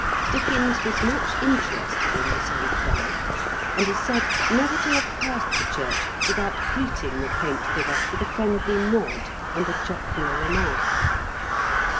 Dickens was much interested in this old fellow, and is said never to have passed the church without greeting the quaint figure with a friendly nod and a jocular remark.